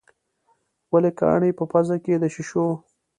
ولې کاڼي په پزه کې د شېشو.